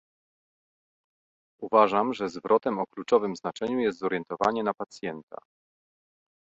Uważam, że zwrotem o kluczowym znaczeniu jest "zorientowanie na pacjenta"